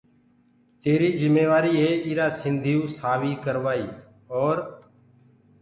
تيريٚ جميوآريٚ هي ايرآ سنڌيئو سآويٚ ڪروآئيٚ اور